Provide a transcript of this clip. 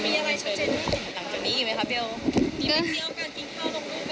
มีเวลาที่เอาการกินข้าวลงรูปไหมค่ะ